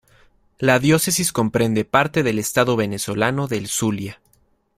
La diócesis comprende parte del estado venezolano del Zulia.